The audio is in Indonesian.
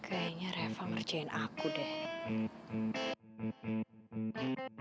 kayaknya reva ngerjain aku deh